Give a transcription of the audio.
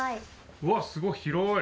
うわっすごい広い！